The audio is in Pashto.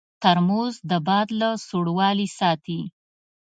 ترموز د باد له سړوالي ساتي.